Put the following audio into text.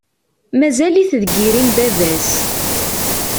Mazal-it deg yiri n baba-s.